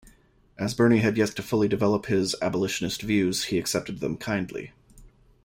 As Birney had yet to fully develop his abolitionist views, he accepted them kindly.